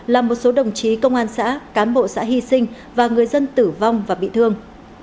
làm một số đồng chí công an xã cán bộ xã hy sinh và người dân tử vong và bị thương